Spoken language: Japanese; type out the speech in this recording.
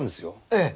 ええ。